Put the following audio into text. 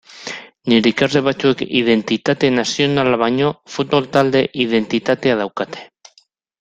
Nire ikasle batzuek identitate nazionala baino futbol-talde identitatea daukate.